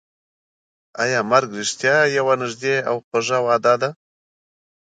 ایا مرګ رښتیا یوه نږدې او خوږه وعده ده؟